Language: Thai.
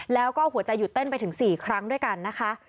แล้วก็หัวใจหยุดเต้นไปถึง๔ครั้งด้วยกันนะคะ